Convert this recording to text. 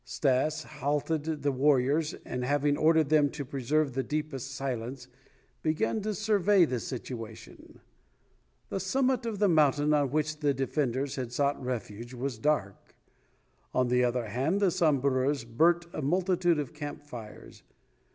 Stas halted the warriors and, having ordered them to preserve the deepest silence, began to survey the situation. The summit of the mountain on which the defenders had sought refuge was dark; on the other hand the Samburus burnt a multitude of camp fires.